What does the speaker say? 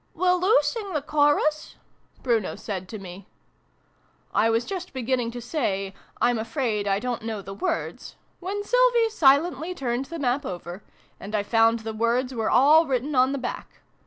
"Will oo sing the chorus ?" Bruno said to me. I was just beginning to say " I'm afraid I don't know the words" when Sylvie silently turned the map over, and I found the words were all written on the back.